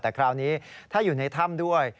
แต่คราวนี้ถ้าอยู่ในถ้ำด้วย